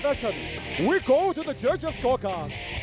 เราไปที่เจอร์เจอร์โคค้า